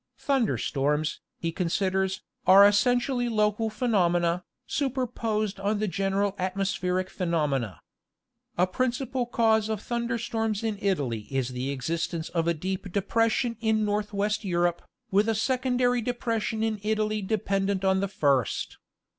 'Thunder storms, he considers, are essentially local phenomena, superposed on the general atmospheric phenomena. A principal general cause of thunder storms in Italy is the existence of a deep depression in — northwest Europe, with a secondary depression in Italy depend ent on the first.